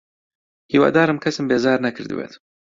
هیوادارم کەسم بێزار نەکردبێت.